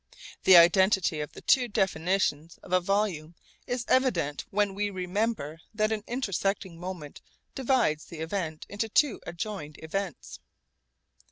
The identity of the two definitions of a volume is evident when we remember that an intersecting moment divides the event into two adjoined events.